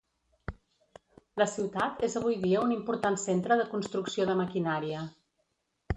La ciutat és avui dia un important centre de construcció de maquinària.